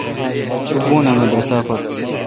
تو بھوں اں مدرسہ پر۔